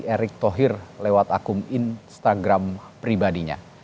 erick thohir lewat akun instagram pribadinya